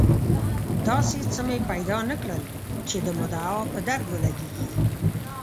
داسې څه مې پیدا نه کړل چې د مدعا په درد ولګېږي.